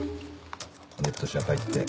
ネット社会って。